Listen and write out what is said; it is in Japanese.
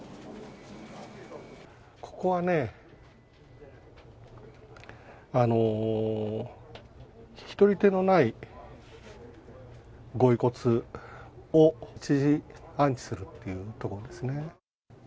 ここはね、引き取り手のないご遺骨を一時安置するっていうところですね。